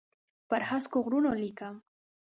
پر هسکو غرونو لیکم